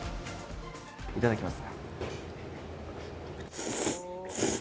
いただきます。